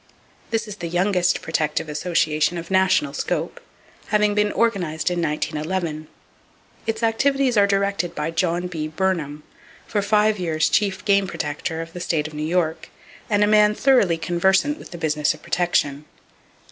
—This is the youngest protective organization of national scope, having been organized in 1911. Its activities are directed by John B. Burnham, for five years Chief Game Protector of the State of New York, and a man thoroughly conversant with the business of protection.